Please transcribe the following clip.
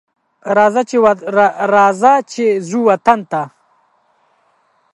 راځه چې ځو وطن ته